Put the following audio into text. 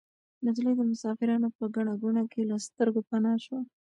نجلۍ د مسافرانو په ګڼه ګوڼه کې له سترګو پناه شوه.